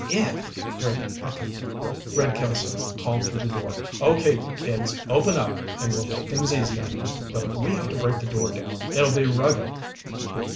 "If!" Rick echoed. Red Kelso called through the door. "Okay, you kids. Open up and we'll make things easy on you. But if we have to break the door down, it'll be rugged."